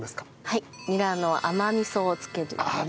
はいニラの甘味噌を作ります。